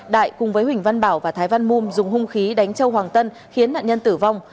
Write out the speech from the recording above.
đại cùng với huỳnh văn bảo và thái văn mum dùng hung khí đánh châu hoàng tân khiến nạn nhân tử vong